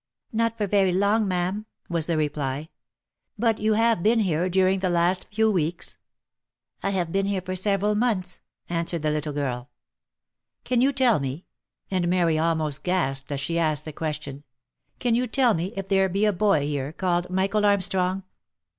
" Not for very long, ma'am," was the reply. " But you have been here during the few last weeks?" " I have been here for several months," answered the little girl. " Can you tell me" — and Mary almost gasped as she asked the question —" Can you tell me, if there be a boy here called Michael Armstrong?"